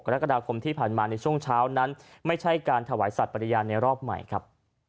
กรกฎาคมที่ผ่านมาในช่วงเช้านั้นไม่ใช่การถวายสัตว์ปริญญาณในรอบใหม่ครับ